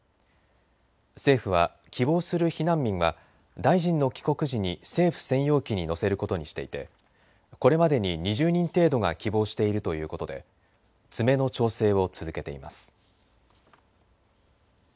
政府は、希望する避難民は大臣の帰国時に政府専用機に乗せることにしていてこれまでに２０人程度が希望しているということで詰めの調整を続けています。